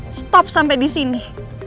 berhenti sampai disini